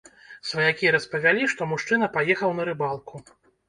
Сваякі распавялі, што мужчына паехаў на рыбалку.